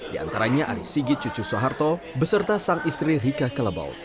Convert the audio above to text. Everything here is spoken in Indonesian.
di antaranya ari sigit cucu soeharto beserta sang istri rika kelebaut